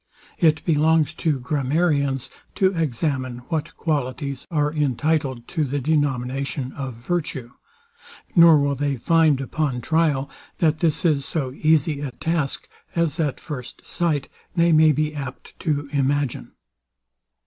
It belongs to Grammarians to examine what qualities are entitled to the denomination of virtue; nor will they find, upon trial, that this is so easy a task, as at first sight they may be apt to imagine.